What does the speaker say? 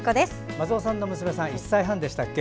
松尾さんの娘さん１歳半でしたっけ。